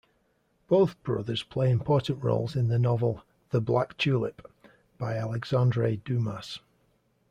Both brothers play important roles in the novel "The Black Tulip" by Alexandre Dumas.